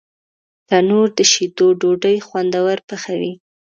تنور د شیدو ډوډۍ خوندور پخوي